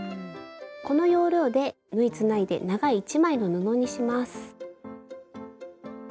この要領で縫いつないで長い１枚の布にします。